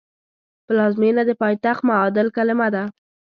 پلازمېنه د پایتخت معادل کلمه ده